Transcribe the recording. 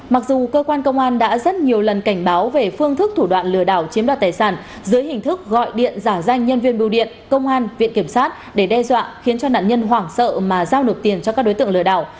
mặc dù cơ quan công an đã rất nhiều lần cảnh báo về phương thức thủ đoạn lừa đảo chiếm đoạt tài sản dưới hình thức gọi điện giả danh nhân viên bưu điện công an viện kiểm sát để đe dọa khiến cho nạn nhân hoảng sợ mà giao nộp tiền cho các đối tượng lừa đảo